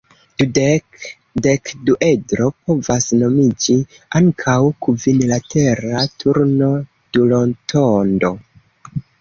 Dudek-dekduedro povas nomiĝi ankaŭ kvinlatera turno-durotondo.